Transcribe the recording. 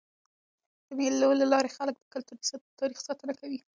د مېلو له لاري خلک د کلتوري تاریخ ساتنه کوي.